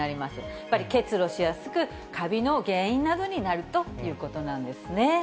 やっぱり結露しやすく、カビの原因などになるということなんですね。